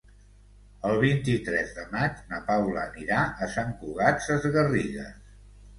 El vint-i-tres de maig na Paula anirà a Sant Cugat Sesgarrigues.